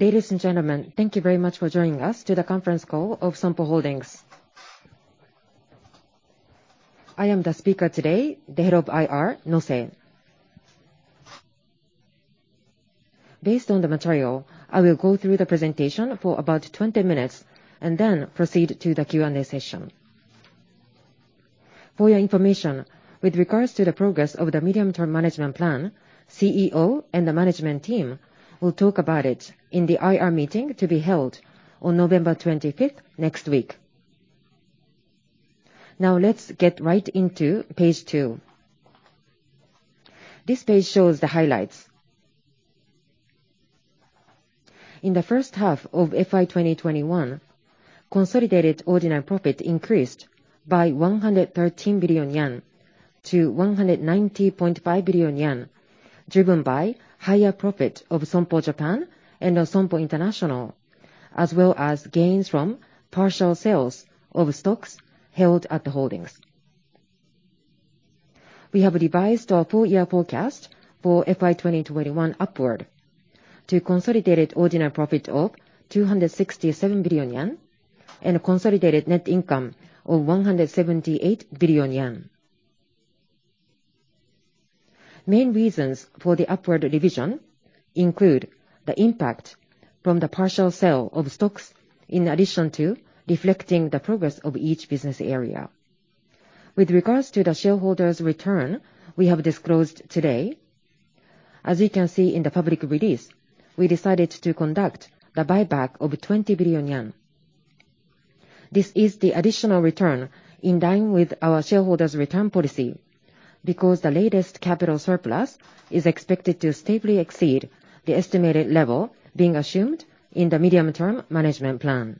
Ladies and gentlemen, thank you very much for joining us to the conference call of Sompo Holdings. I am the speaker today, the Head of IR, Nose. Based on the material, I will go through the presentation for about 20 minutes, and then proceed to the Q&A session. For your information, with regards to the progress of the medium-term management plan, CEO and the management team will talk about it in the IR meeting to be held on November twenty-fifth, next week. Now let's get right into page two. This page shows the highlights. In the first half of FY 2021, consolidated ordinary profit increased by 113 billion yen to 190.5 billion yen, driven by higher profit of Sompo Japan and of Sompo International, as well as gains from partial sales of stocks held at the holdings. We have revised our full-year forecast for FY2021 upward to consolidated ordinary profit of 267 billion yen, and a consolidated net income of 178 billion yen. Main reasons for the upward revision include the impact from the partial sale of stocks, in addition to reflecting the progress of each business area. With regards to the shareholders' return we have disclosed today, as you can see in the public release, we decided to conduct the buyback of 20 billion yen. This is the additional return in line with our shareholders' return policy, because the latest capital surplus is expected to stably exceed the estimated level being assumed in the medium-term management plan.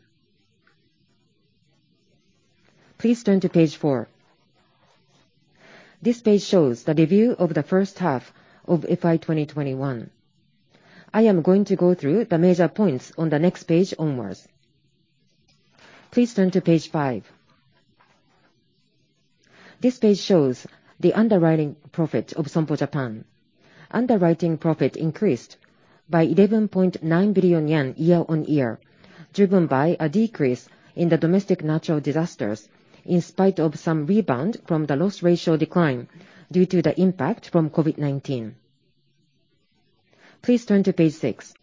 Please turn to page four. This page shows the review of the first half of FY2021. I am going to go through the major points on the next page onwards. Please turn to page five. This page shows the underwriting profit of Sompo Japan. Underwriting profit increased by 11.9 billion yen year-on-year, driven by a decrease in the domestic natural disasters, in spite of some rebound from the loss ratio decline due to the impact from COVID-19. Please turn to page six.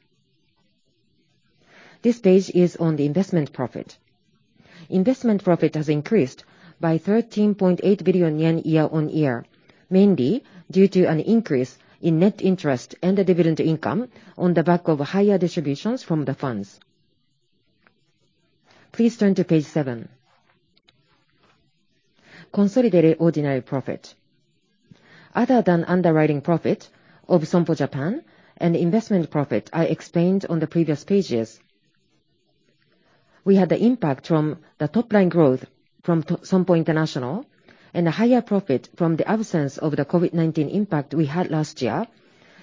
This page is on the investment profit. Investment profit has increased by 13.8 billion yen year-on-year, mainly due to an increase in net interest and the dividend income on the back of higher distributions from the funds. Please turn to page seven. Consolidated ordinary profit. Other than underwriting profit of Sompo Japan and investment profit I explained on the previous pages, we had the impact from the top line growth from Sompo International, and a higher profit from the absence of the COVID-19 impact we had last year,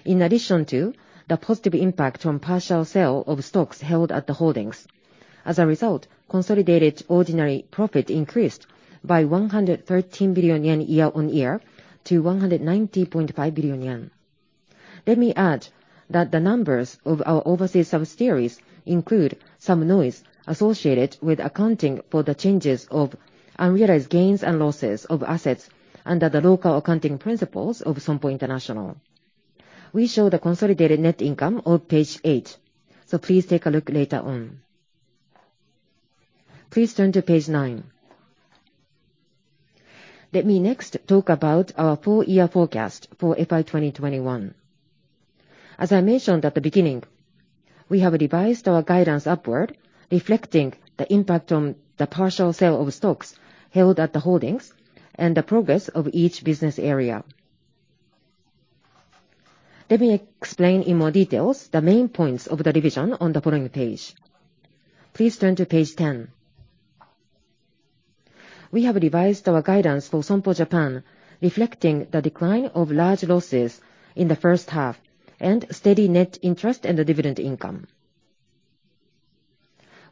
in addition to the positive impact from partial sale of stocks held at the holdings. As a result, consolidated ordinary profit increased by 113 billion yen year-on-year to 190.5 billion yen. Let me add that the numbers of our overseas subsidiaries include some noise associated with accounting for the changes of unrealized gains and losses of assets under the local accounting principles of Sompo International. We show the consolidated net income on page eight, so please take a look later on. Please turn to page nine. Let me next talk about our full-year forecast for FY 2021. As I mentioned at the beginning, we have revised our guidance upward, reflecting the impact of the partial sale of stocks held at the holdings, and the progress of each business area. Let me explain in more detail the main points of the revision on the following page. Please turn to page 10. We have revised our guidance for Sompo Japan, reflecting the decline in large losses in the first half, and steady net interest and dividend income.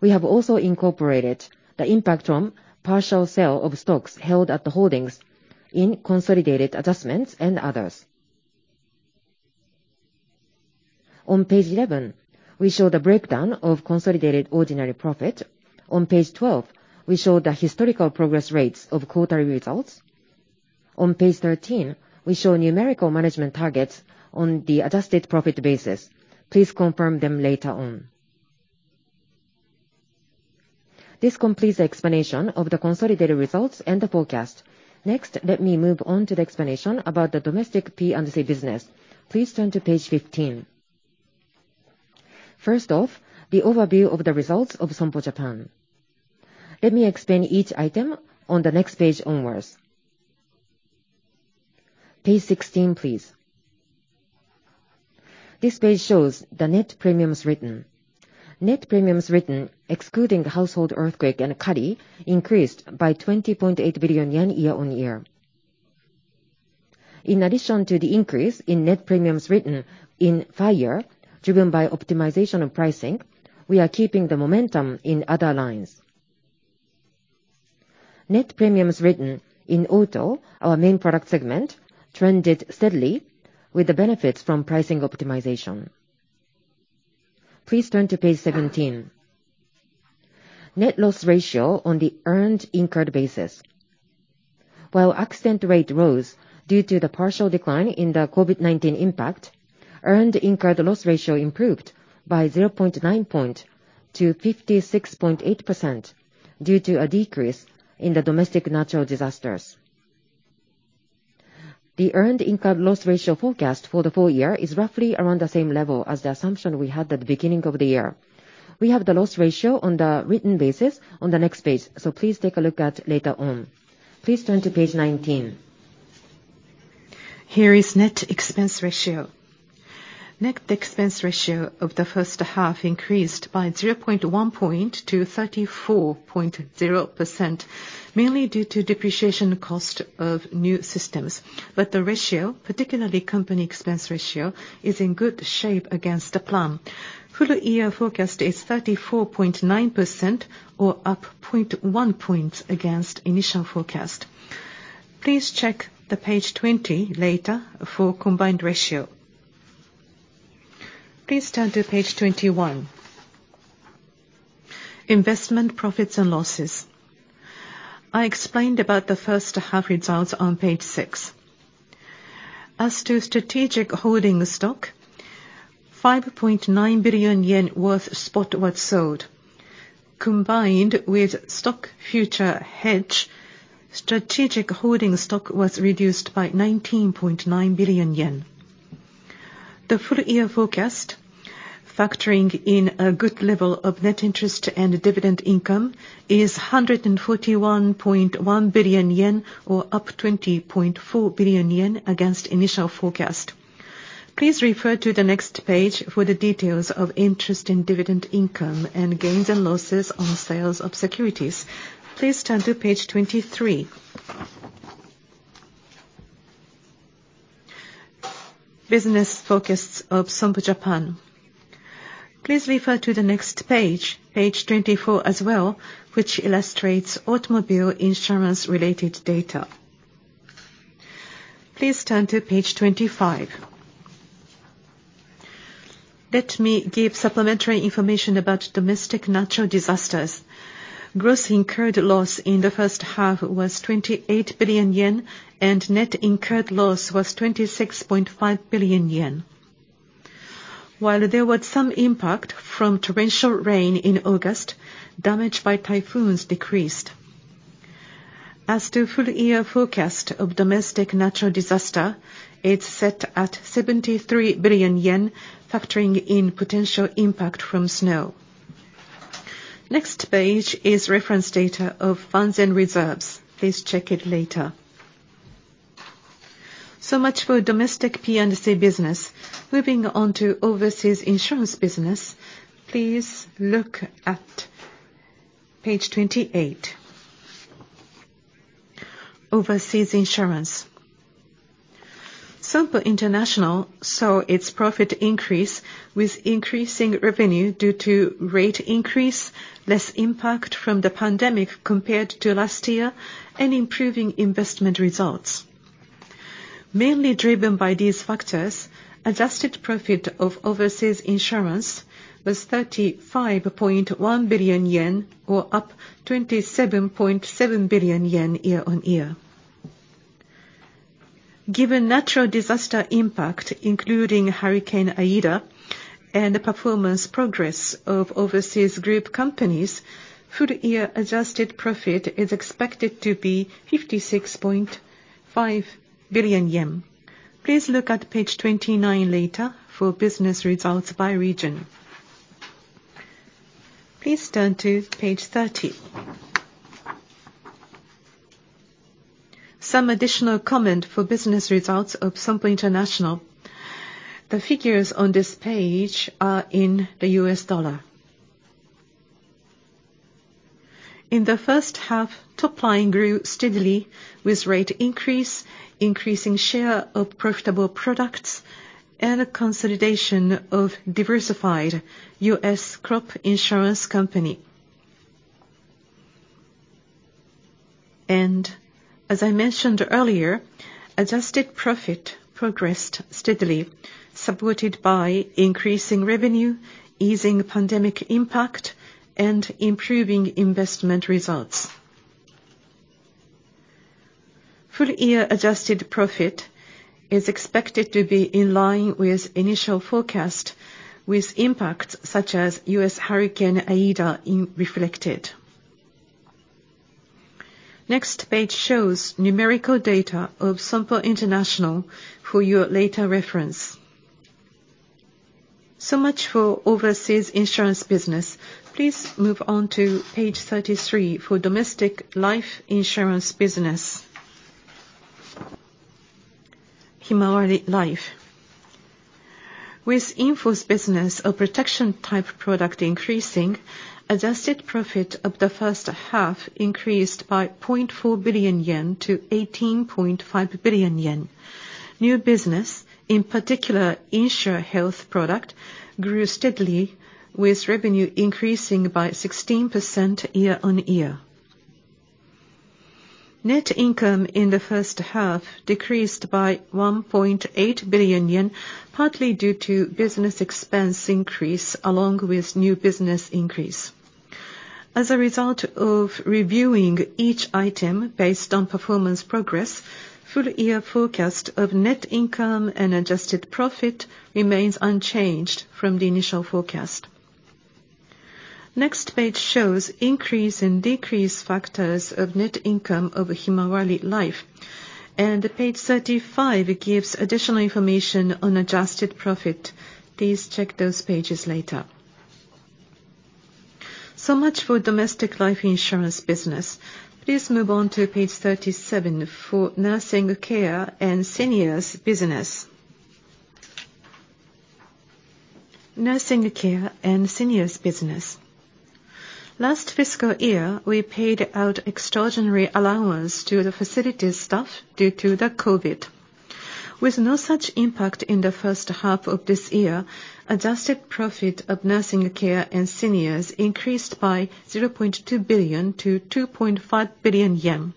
We have also incorporated the impact from partial sale of stocks held at the holdings in consolidated adjustments and others. On page 11, we show the breakdown of consolidated ordinary profit. On page 12, we show the historical progress rates of quarterly results. On page 13, we show numerical management targets on the adjusted profit basis. Please confirm them later on. This completes the explanation of the consolidated results and the forecast. Next, let me move on to the explanation about the domestic P&C business. Please turn to page 15. First off, the overview of the results of Sompo Japan. Let me explain each item on the next page onwards. Page 16, please. This page shows the net premiums written. Net premiums written excluding household earthquake and Net premiums written in auto, our main product segment, trended steadily with the benefits from pricing optimization. Please turn to page 17. Net loss ratio on the earned-incurred basis. While accident rate rose due to the partial decline in the COVID-19 impact, earned-incurred loss ratio improved by 0.9 point to 56.8% due to a decrease in the domestic natural disasters. The earned-incurred loss ratio forecast for the full year is roughly around the same level as the assumption we had at the beginning of the year. We have the loss ratio on the written basis on the next page, so please take a look at later on. Please turn to page 19. Here is net expense ratio. Net expense ratio of the first half increased by 0.1 point to 34.0%, mainly due to depreciation cost of new systems. The ratio, particularly company expense ratio, is in good shape against the plan. Full year forecast is 34.9% or up 0.1 point against initial forecast. Please check the page 20 later for combined ratio. Please turn to page 21. Investment profits and losses. I explained about the first half results on page six. As to strategic holding stock, 5.9 billion yen worth spot was sold. Combined with stock future hedge, strategic holding stock was reduced by 19.9 billion yen. The full year forecast, factoring in a good level of net interest and dividend income, is 141.1 billion yen or up 20.4 billion yen against initial forecast. Please refer to the next page for the details of interest in dividend income and gains and losses on sales of securities. Please turn to page 23. Business forecasts of Sompo Japan. Please refer to the next page 24 as well, which illustrates automobile insurance related data. Please turn to page 25. Let me give supplementary information about domestic natural disasters. Gross incurred loss in the first half was 28 billion yen, and net incurred loss was 26.5 billion yen. While there was some impact from torrential rain in August, damage by typhoons decreased. As to full year forecast of domestic natural disaster, it's set at 73 billion yen, factoring in potential impact from snow. Next page is reference data of funds and reserves. Please check it later. So much for domestic P&C business. Moving on to overseas insurance business, please look at page 28. Overseas insurance. Sompo International saw its profit increase with increasing revenue due to rate increase, less impact from the pandemic compared to last year, and improving investment results. Mainly driven by these factors, adjusted profit of overseas insurance was 35.1 billion yen or up 27.7 billion yen year-over-year. Given natural disaster impact, including Hurricane Ida and the performance progress of overseas group companies, full year adjusted profit is expected to be 56.5 billion yen. Please look at page 29 later for business results by region. Please turn to page 30. Some additional comment for business results of Sompo International. The figures on this page are in the U.S. dollar. In the first half, top line grew steadily with rate increase, increasing share of profitable products, and a consolidation of diversified U.S. crop insurance company. As I mentioned earlier, adjusted profit progressed steadily, supported by increasing revenue, easing pandemic impact, and improving investment results. Full year adjusted profit is expected to be in line with initial forecast with impacts such as U.S. Hurricane Ida being reflected. Next page shows numerical data of Sompo International for your later reference. Much for overseas insurance business. Please move on to page 33 for domestic life insurance business. Himawari Life. With in-force business of protection type product increasing, adjusted profit of the first half increased by 0.4 billion yen to 18.5 billion yen. New business, in particular Insurhealth product, grew steadily with revenue increasing by 16% year-on-year. Net income in the first half decreased by 1.8 billion yen, partly due to business expense increase along with new business increase. As a result of reviewing each item based on performance progress, full year forecast of net income and adjusted profit remains unchanged from the initial forecast. Next page shows increase and decrease factors of net income over Himawari Life. Page 35 gives additional information on adjusted profit. Please check those pages later. Much for domestic life insurance business. Please move on to page 37 for nursing care and seniors business. Nursing care and seniors business. Last fiscal year, we paid out extraordinary allowance to the facilities staff due to the COVID. With no such impact in the first half of this year, adjusted profit of nursing care and seniors increased by 0.2 billion to 2.5 billion yen.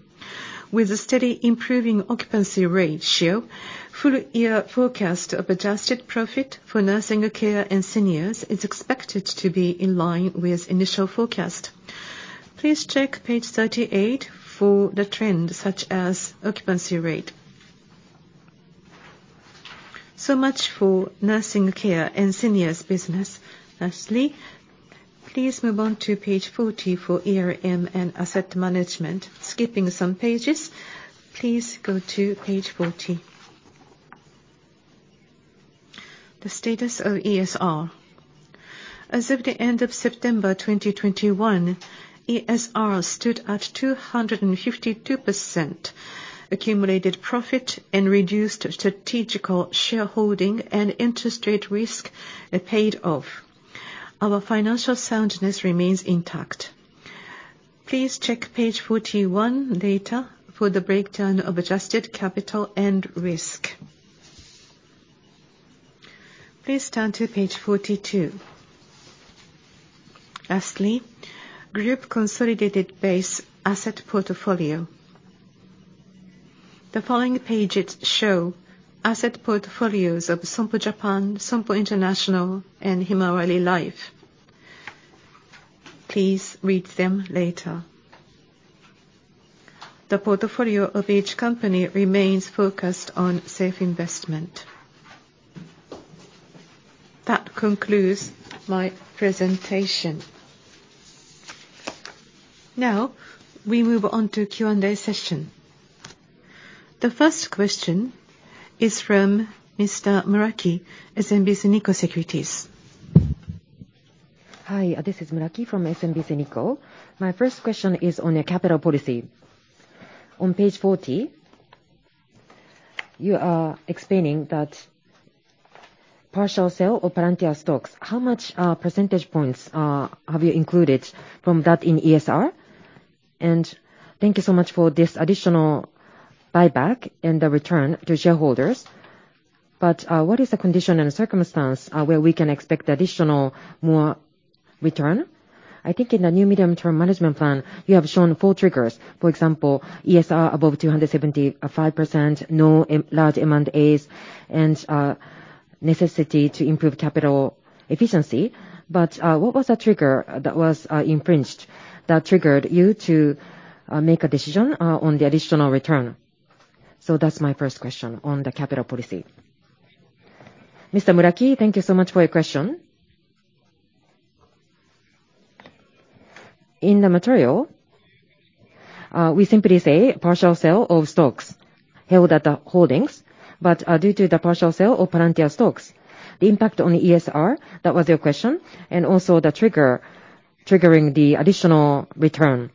With a steady improving occupancy ratio, full year forecast of adjusted profit for nursing care and seniors is expected to be in line with initial forecast. Please check page 38 for the trend, such as occupancy rate. So much for nursing care and seniors business. Lastly, please move on to page 40 for ERM and asset management. Skipping some pages, please go to page 40. The status of ESR. As of the end of September 2021, ESR stood at 252%. Accumulated profit and reduced strategic shareholding and interest rate risk, it paid off. Our financial soundness remains intact. Please check page 41 later for the breakdown of adjusted capital and risk. Please turn to page 42. Lastly, group consolidated base asset portfolio. The following pages show asset portfolios of Sompo Japan, Sompo International, and Sompo Himawari Life. Please read them later. The portfolio of each company remains focused on safe investment. That concludes my presentation. Now, we move on to Q&A session. The first question is from Mr. Muraki, SMBC Nikko Securities. Hi, this is Muraki from SMBC Nikko. My first question is on your capital policy. On page 40, you are explaining that partial sale of Palantir stocks, how much percentage points have you included from that in ESR? Thank you so much for this additional buyback and the return to shareholders. What is the condition and circumstance where we can expect additional more return? I think in the new medium-term management plan, you have shown four triggers. For example, ESR above 275%, no M&A, large amount of assets, and necessity to improve capital efficiency. What was the trigger that was infringed, that triggered you to make a decision on the additional return? That's my first question on the capital policy. Mr. Muraki, thank you so much for your question. In the material, we simply say partial sale of stocks held at the holdings. Due to the partial sale of Palantir stocks, the impact on the ESR, that was your question, and also the trigger triggering the additional return.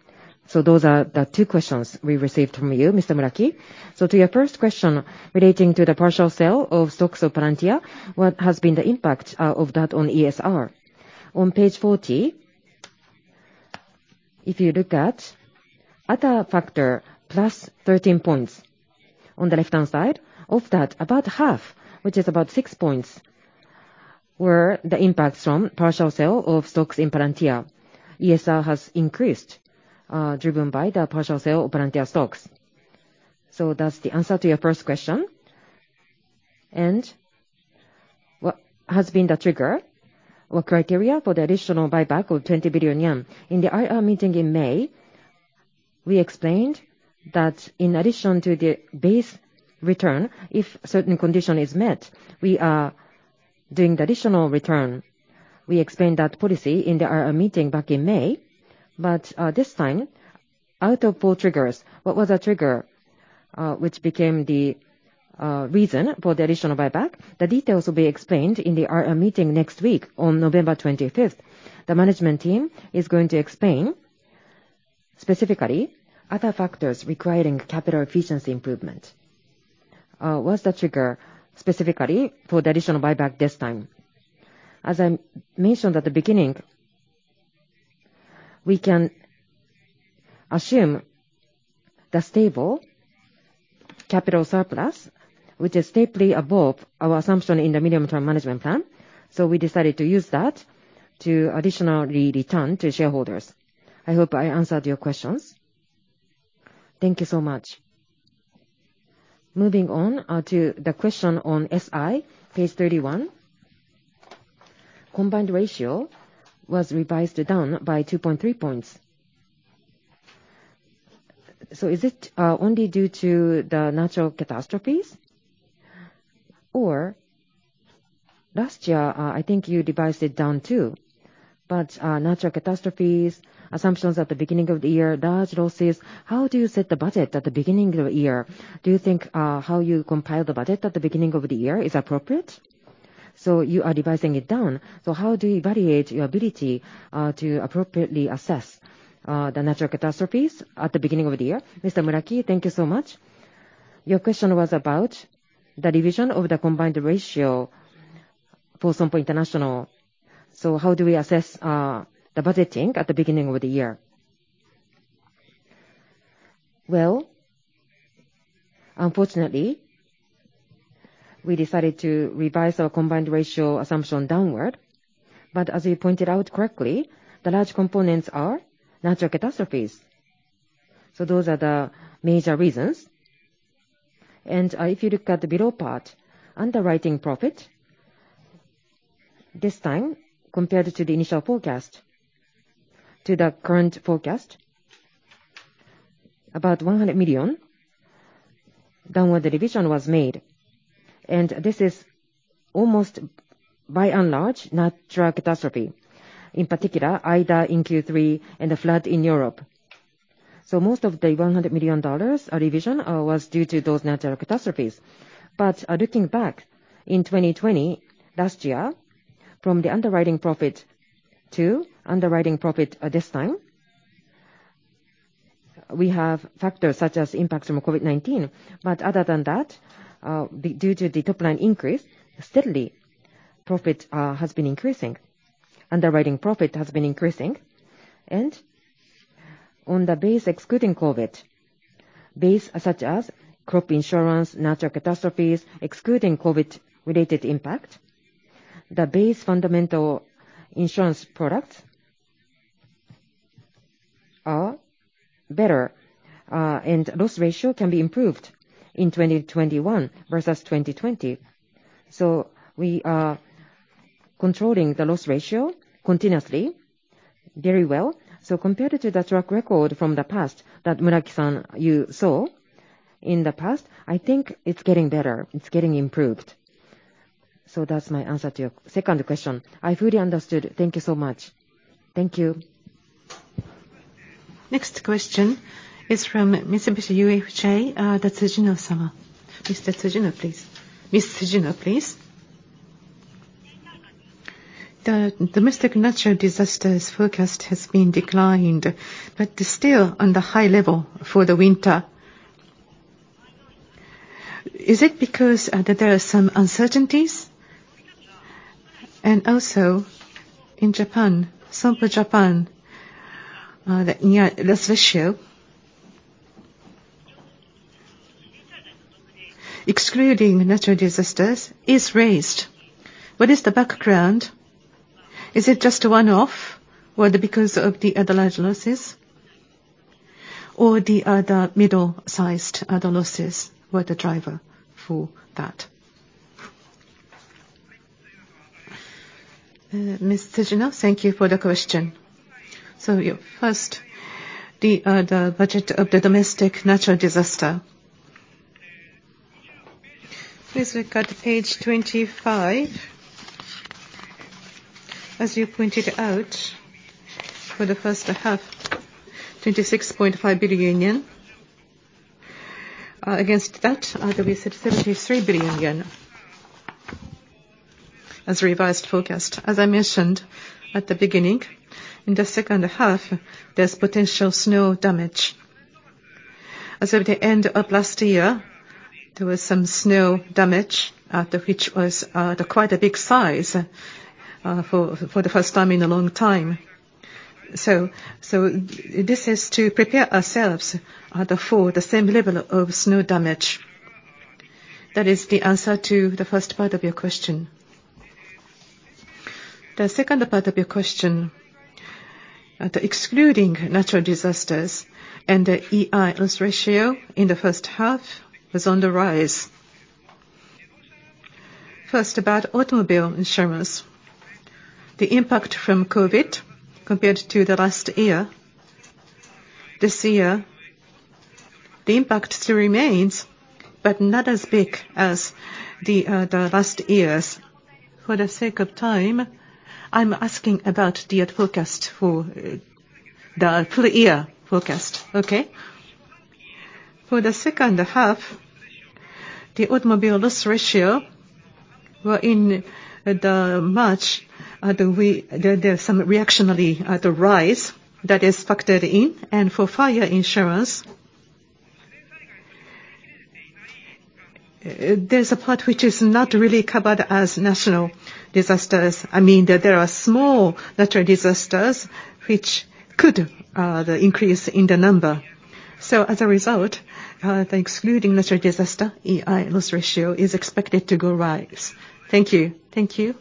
Those are the two questions we received from you, Mr. Muraki. To your first question relating to the partial sale of stocks of Palantir, what has been the impact of that on ESR? On page 40, if you look at other factor +13 points on the left-hand side, of that, about half, which is about 6 points, was the impact from partial sale of stocks in Palantir. ESR has increased, driven by the partial sale of Palantir stocks. That's the answer to your first question. What has been the trigger or criteria for the additional buyback of 20 billion yen? In the IR meeting in May, we explained that in addition to the base return, if certain condition is met, we are doing the additional return. We explained that policy in the IR meeting back in May. This time, out of four triggers, what was the trigger which became the reason for the additional buyback? The details will be explained in the IR meeting next week on November 25th. The management team is going to explain specifically other factors requiring capital efficiency improvement. What's the trigger specifically for the additional buyback this time? As I mentioned at the beginning. We can assume the stable capital surplus, which is slightly above our assumption in the medium-term management plan. We decided to use that to additionally return to shareholders. I hope I answered your questions. Thank you so much. Moving on to the question on SI, page 31. Combined ratio was revised down by 2.3 points. Is it only due to the natural catastrophes? Or last year, I think you revised it down too, but natural catastrophes, assumptions at the beginning of the year, large losses. How do you set the budget at the beginning of the year? Do you think how you compile the budget at the beginning of the year is appropriate? You are revising it down. How do you evaluate your ability to appropriately assess the natural catastrophes at the beginning of the year? Mr. Muraki, thank you so much. Your question was about the division of the combined ratio for Sompo International. How do we assess the budgeting at the beginning of the year? Well, unfortunately, we decided to revise our combined ratio assumption downward. As you pointed out correctly, the large components are natural catastrophes. Those are the major reasons. If you look at the below part, underwriting profit, this time compared to the initial forecast to the current forecast, about $100 million down where the division was made. This is almost by and large natural catastrophe, in particular, Ida in Q3 and the flood in Europe. Most of the $100 million revision was due to those natural catastrophes. Looking back in 2020 last year, from the underwriting profit to underwriting profit at this time, we have factors such as impacts from COVID-19. Other than that, due to the top-line increase, steadily profit has been increasing. Underwriting profit has been increasing. On the base excluding COVID, base such as crop insurance, natural catastrophes, excluding COVID-related impact, the base fundamental insurance products are better. Loss ratio can be improved in 2021 versus 2020. We are controlling the loss ratio continuously very well. Compared to the track record from the past that Muraki-san, you saw in the past, I think it's getting better. That's my answer to your second question. I fully understood. Thank you so much. Thank you. Next question is from Mitsubishi UFJ, Tsujino-sama. Mr. Tsujino, please. Ms. Tsujino, please. The domestic natural disasters forecast has been declined, but is still on the high level for the winter. Is it because that there are some uncertainties? Also in Japan, Sompo Japan, the loss ratio excluding natural disasters is raised. What is the background? Is it just a one-off or because of the other large losses, or the other middle-sized losses were the driver for that? Mrs. Tsujino, thank you for the question. First, the budget of the domestic natural disaster. Please look at page 25. As you pointed out, for the first half, 26.5 billion yen. Against that, there is 33 billion yen as revised forecast. As I mentioned at the beginning, in the second half, there's potential snow damage. As of the end of last year, there was some snow damage, which was quite a big size, for the first time in a long time. This is to prepare ourselves for the same level of snow damage. That is the answer to the first part of your question. The second part of your question, excluding natural disasters and the Earned-Incurred Loss Ratio in the first half was on the rise. First, about automobile insurance. The impact from COVID compared to the last year, this year, the impact still remains, but not as big as the last years. For the sake of time, I'm asking about the forecast for the full year. Okay. For the second half, the automobile loss ratio were in the March, There, there's some seasonal rise that is factored in. For fire insurance- There's a part which is not really covered as natural disasters. I mean that there are small natural disasters, the increase in the number. As a result, excluding natural disaster, Earned-Incurred Loss Ratio is expected to rise. Thank you. Thank you.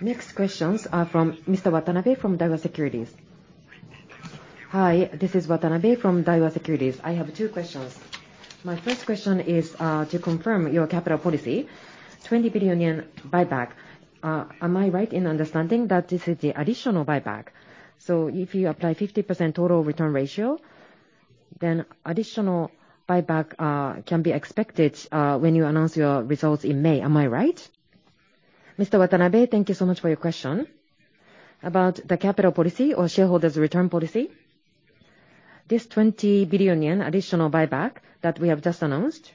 Next questions are from Mrs. Watanabe from Daiwa Securities. Hi, this is Watanabe from Daiwa Securities. I have two questions. My first question is to confirm your capital policy, 20 billion yen buyback. Am I right in understanding that this is the additional buyback? If you apply 50% total return ratio, then additional buyback can be expected when you announce your results in May. Am I right? Mrs. Watanabe, thank you so much for your question. About the capital policy or shareholders' return policy, this 20 billion yen additional buyback that we have just announced,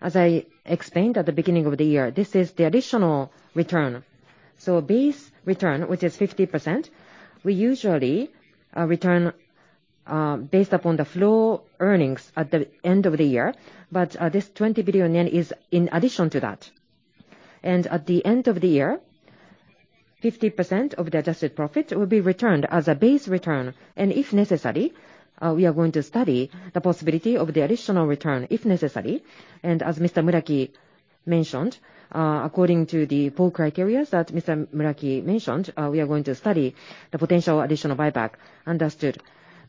as I explained at the beginning of the year, this is the additional return. Base return, which is 50%, we usually return based upon the flow earnings at the end of the year, but this 20 billion yen is in addition to that. At the end of the year, 50% of the adjusted profit will be returned as a base return. If necessary, we are going to study the possibility of the additional return, if necessary. As Mr. Muraki mentioned, according to the four criteria that Mr. Muraki mentioned, we are going to study the potential additional buyback. Understood.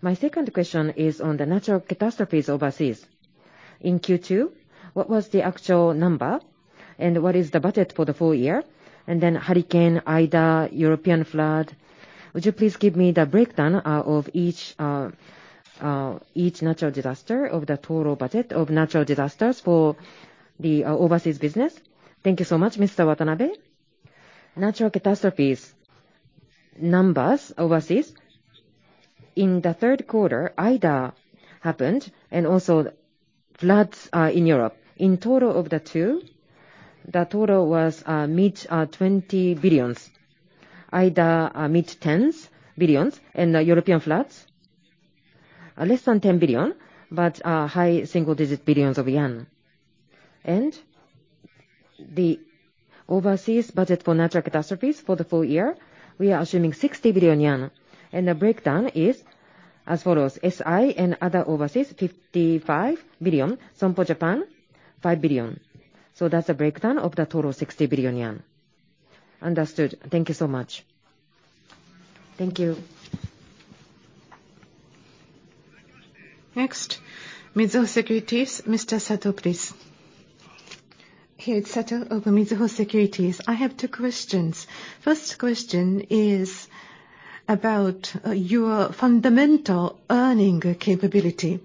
My second question is on the natural catastrophes overseas. In Q2, what was the actual number? And what is the budget for the full year? And then Hurricane Ida, European flood, would you please give me the breakdown of each natural disaster of the total budget of natural disasters for the overseas business? Thank you so much, Mr. Watanabe. Natural catastrophes numbers overseas, in the third quarter, Ida happened and also floods in Europe. In total of the two, the total was mid-20 billion. Ida mid-teens billion and the European floods are less than 10 billion, but high single digit billions of yen. The overseas budget for natural catastrophes for the full year, we are assuming 60 billion yen. The breakdown is as follows, SI and other overseas, 55 billion. Sompo Japan, 5 billion. That's a breakdown of the total 60 billion yen. Understood. Thank you so much. Thank you. Next, Mizuho Securities, Mrs. Naruhiko Sakamaki, please. Hey, it's Sakamaki of Mizuho Securities. I have two questions. First question is about your fundamental earning capability.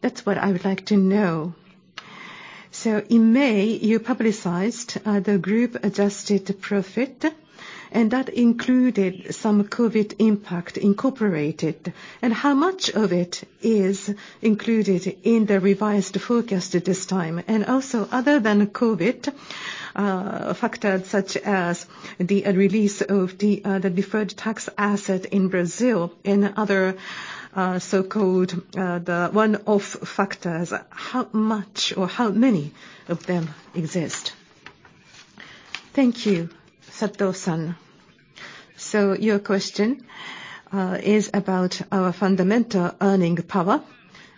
That's what I would like to know. In May, you publicized the group adjusted profit, and that included some COVID impact incorporated. How much of it is included in the revised forecast at this time? Also, other than COVID, factors such as the release of the deferred tax asset in Brazil and other so-called the one-off factors, how much or how many of them exist? Thank you, Sato-san. Your question is about our fundamental earning power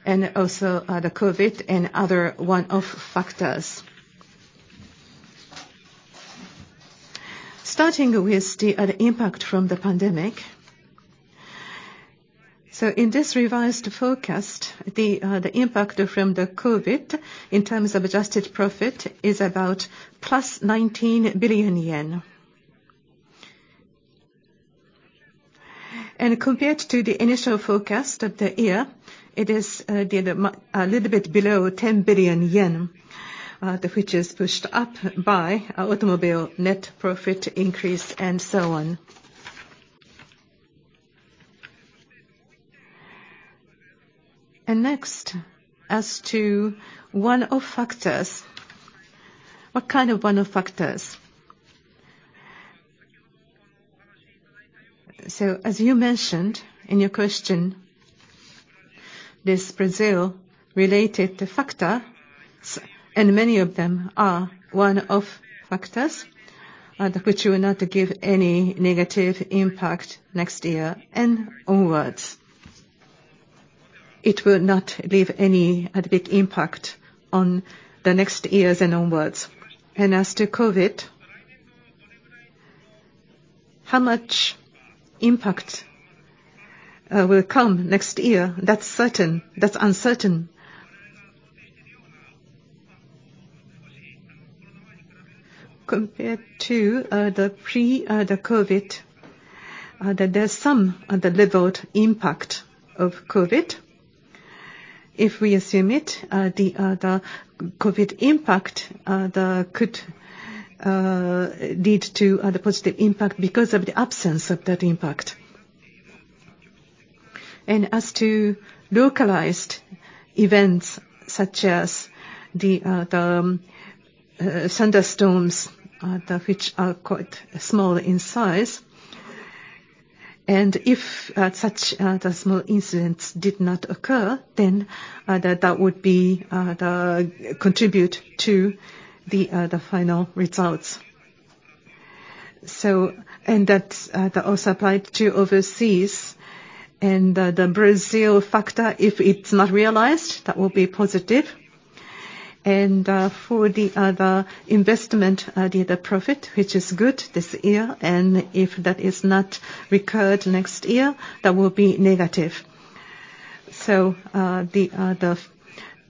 and also the COVID and other one-off factors. Starting with the impact from the pandemic. In this revised forecast, the impact from the COVID in terms of adjusted profit is about plus 19 billion yen. Compared to the initial forecast of the year, it is a little bit below 10 billion yen, which is pushed up by automobile net profit increase and so on. Next, as to one-off factors. What kind of one-off factors? As you mentioned in your question, this Brazil-related factor and many of them are one-off factors, which will not give any negative impact next year and onwards. It will not leave any big impact on the next years and onwards. As to COVID, how much impact will come next year? That's certain. That's uncertain. Compared to the pre-COVID, that there's some delivered impact of COVID. If we assume it, the COVID impact could lead to the positive impact because of the absence of that impact. As to localized events such as the thunderstorms, which are quite small in size. If such small incidents did not occur, then that would contribute to the final results. That also applied to overseas. The Brazil factor, if it's not realized, that will be positive. For the other investment, the profit which is good this year, and if that is not recurred next year, that will be negative.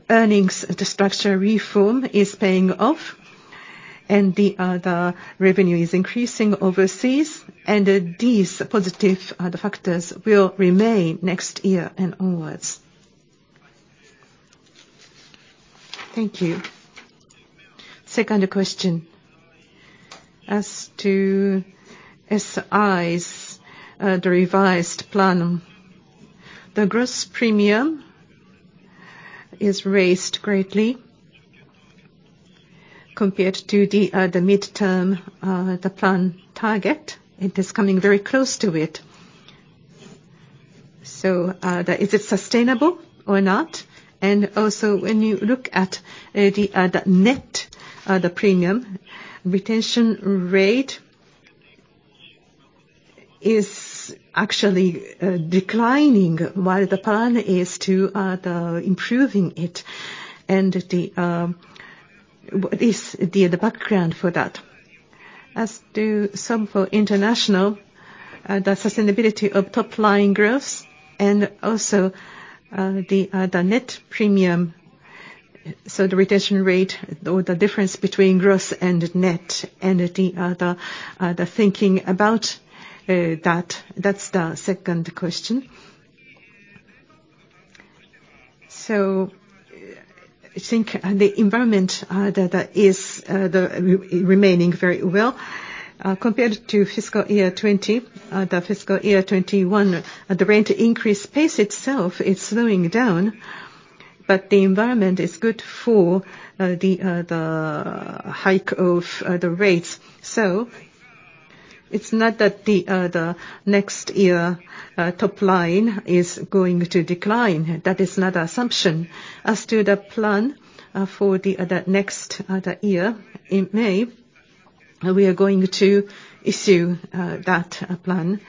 The structural reform is paying off and the revenue is increasing overseas and these positive factors will remain next year and onwards. Thank you. Second question. As to Sompo International's, the revised plan, the gross premium is raised greatly compared to the midterm, the plan target. It is coming very close to it. Is it sustainable or not? And also when you look at the net premium retention rate is actually declining while the plan is to the improving it and what is the background for that? As to Sompo International, the sustainability of top-line growth and also the net premium. The retention rate or the difference between gross and net and the thinking about that's the second question. I think, and the environment that is remaining very well. Compared to fiscal year 2020, the fiscal year 2021, the rate increase pace itself is slowing down but the environment is good for the hike of the rates. So it's not that the next year top line is going to decline. That is not our assumption. As to the plan for the next year in May, we are going to issue that plan.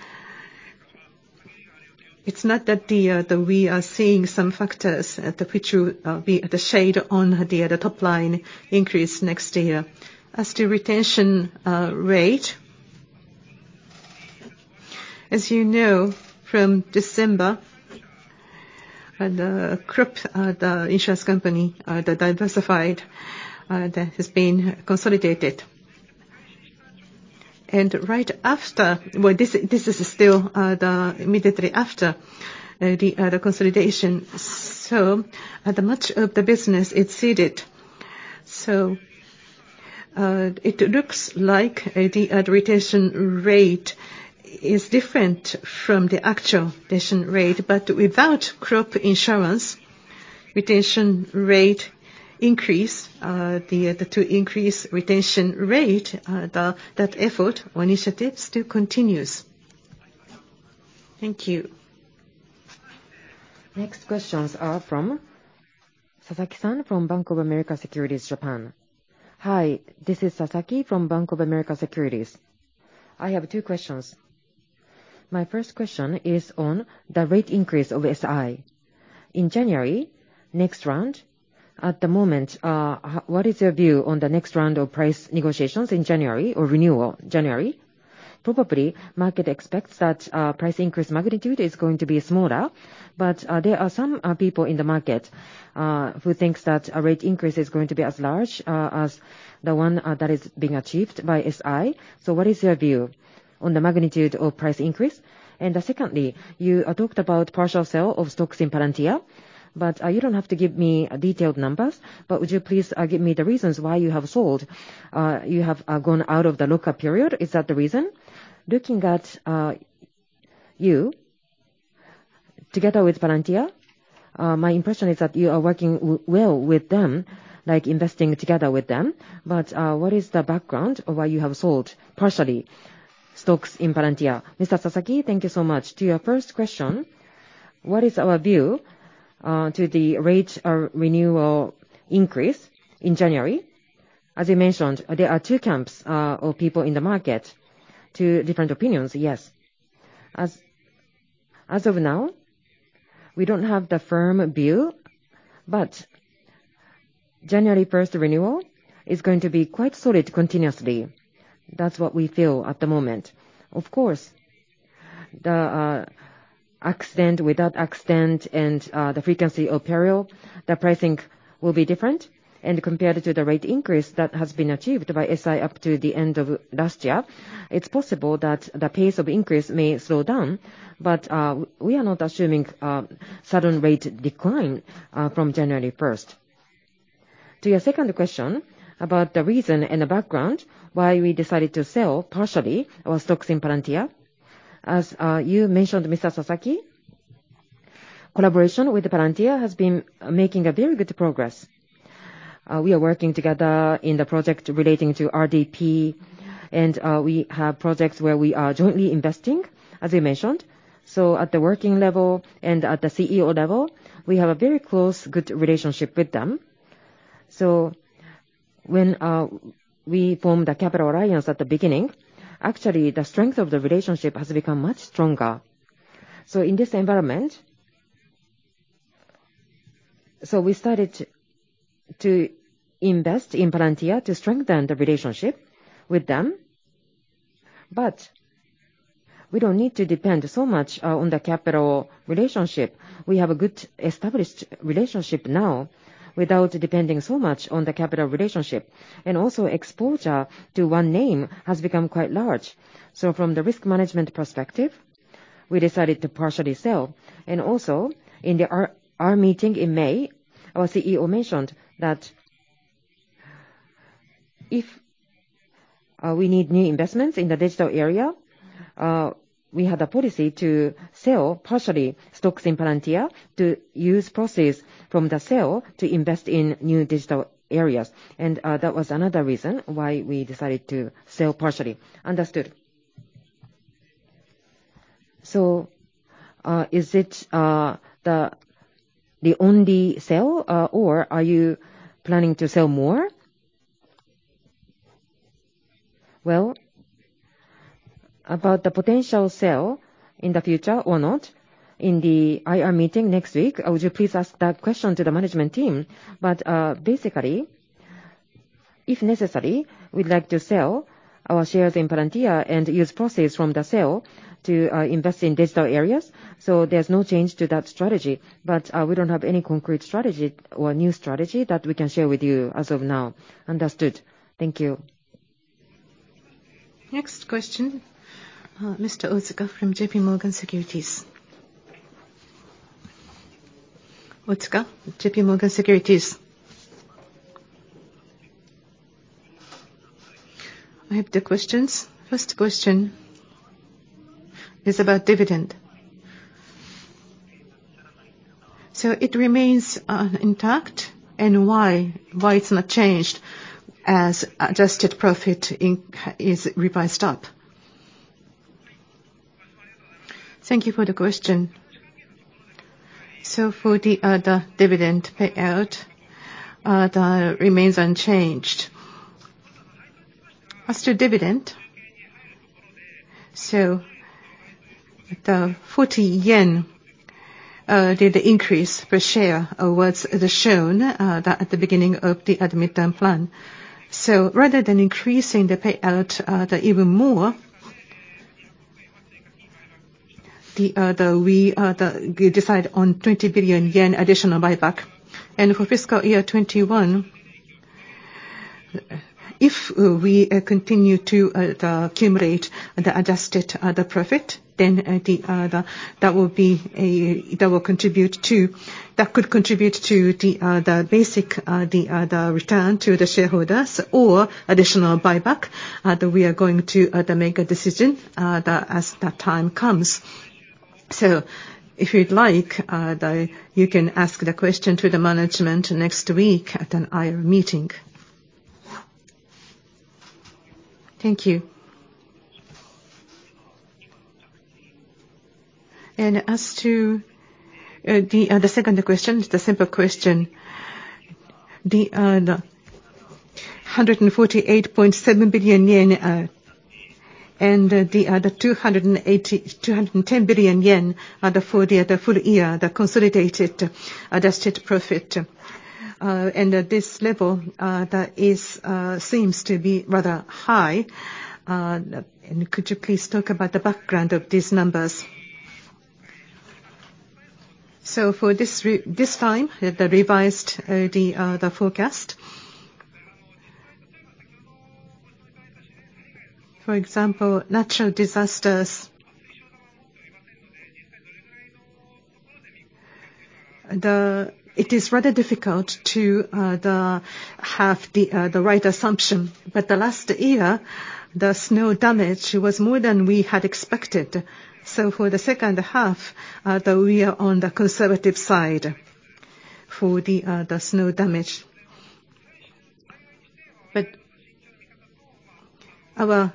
It's not that the. We are seeing some factors that will be the shade on the top line increase next year. As to retention rate, as you know from December, the crop insurance company, the diversified that has been consolidated. Right after the consolidation. Well, this is still immediately after the consolidation. As much of the business, it's ceded. It looks like the retention rate is different from the actual retention rate, but without crop insurance, the retention rate increases. The effort to increase the retention rate still continues. Thank you. Next questions are from Futoshi Sasaki from BofA Securities Japan. Hi, this is Sasaki from BofA Securities Japan. I have two questions. My first question is on the rate increase of SI. In January, next round, at the moment, what is your view on the next round of price negotiations in January or renewal January? Probably market expects that, price increase magnitude is going to be smaller, but, there are some, people in the market, who thinks that a rate increase is going to be as large, as the one, that is being achieved by SI. What is your view on the magnitude of price increase? Secondly, you talked about partial sale of stocks in Palantir, but, you don't have to give me detailed numbers, but would you please, give me the reasons why you have sold? You have gone out of the lock-up period, is that the reason? Looking at you together with Palantir, my impression is that you are working well with them, like investing together with them. What is the background of why you have sold partially stocks in Palantir? Mrs. Sasaki thank you so much. To your first question, what is our view to the rate or renewal increase in January? As you mentioned, there are two camps or people in the market, two different opinions. Yes. As of now, we don't have the firm view, but January 1st renewal is going to be quite solid continuously. That's what we feel at the moment. Of course, the accident, without accident and the frequency of peril, the pricing will be different and compared to the rate increase that has been achieved by SI up to the end of last year, it's possible that the pace of increase may slow down but we are not assuming sudden rate decline from January 1st. To your second question about the reason and the background why we decided to sell partially our stocks in Palantir. As you mentioned, Mrs. Sasaki, collaboration with Palantir has been making a very good progress. We are working together in the project relating to RDP, and we have projects where we are jointly investing, as we mentioned. At the working level and at the CEO level, we have a very close, good relationship with them. When we formed a capital alliance at the beginning, actually the strength of the relationship has become much stronger. In this environment we started to invest in Palantir to strengthen the relationship with them. We don't need to depend so much on the capital relationship. We have a good established relationship now without depending so much on the capital relationship, and also exposure to one name has become quite large. From the risk management perspective, we decided to partially sell. In our meeting in May, our CEO mentioned that if we need new investments in the digital area, we have the policy to sell partially stocks in Palantir to use proceeds from the sale to invest in new digital areas. That was another reason why we decided to sell partially. Understood. Is it the only sale, or are you planning to sell more? Well, about the potential sale in the future or not, in the IR meeting next week, would you please ask that question to the management team. Basically, if necessary, we'd like to sell our shares in Palantir and use proceeds from the sale to invest in digital areas. There's no change to that strategy. We don't have any concrete strategy or new strategy that we can share with you as of now. Understood. Thank you. Next question, Mrs. Otsuka from J.P. Morgan Securities. Otsuka, J.P. Morgan Securities. I have the questions. First question is about dividend. It remains intact, and why it's not changed as adjusted profit is revised up? Thank you for the question. For the dividend payout, that remains unchanged. As to dividend, the 40 yen did increase per share was as shown that at the beginning of the midterm plan. Rather than increasing the payout even more, we decide on 20 billion yen additional buyback. For FY 2021, if we continue to accumulate the adjusted profit, then that could contribute to the basic return to the shareholders or additional buyback. We are going to make a decision as the time comes. If you'd like, you can ask the question to the management next week at an IR meeting. Thank you. As to the second question, it's a simple question. The 148.7 billion yen and the 210 billion yen are for the full year the consolidated adjusted profit. At this level, that seems to be rather high. Could you please talk about the background of these numbers? For this time, with the revised forecast. For example, natural disasters. It is rather difficult to have the right assumption. The last year, the snow damage was more than we had expected. For the second half, though we are on the conservative side for the snow damage. If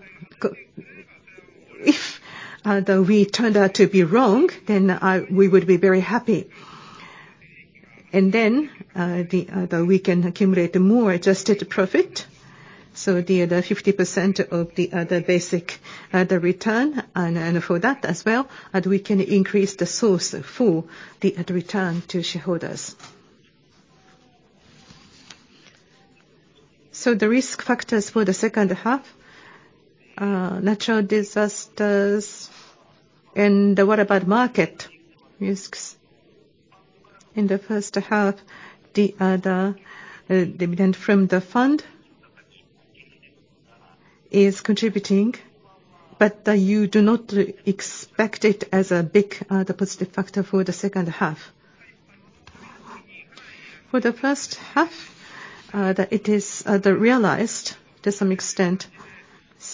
we turned out to be wrong, then we would be very happy. We can accumulate more adjusted profit, so the 50% of the basic return and for that as well, and we can increase the source for the return to shareholders. The risk factors for the second half, natural disasters and what about market risks in the first half, the dividend from the fund is contributing, but you do not expect it as a big positive factor for the second half. For the first half, it is realized to some extent,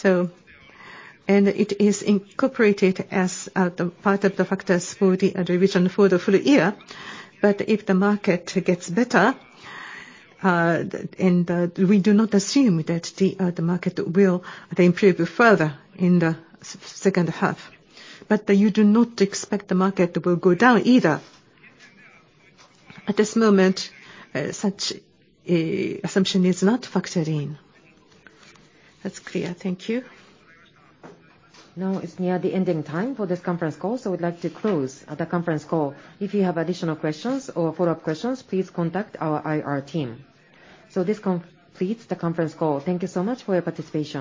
and it is incorporated as the part of the factors for the revision for the full year. If the market gets better, and we do not assume that the market will improve further in the second half. You do not expect the market will go down either? At this moment, such an assumption is not factored in. That's clear. Thank you. Now it's near the ending time for this conference call, so we'd like to close the conference call. If you have additional questions or follow-up questions, please contact our IR team. This completes the conference call. Thank you so much for your participation.